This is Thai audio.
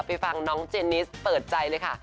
ไปฟังน้องเจนิสเปิดใจเลยค่ะ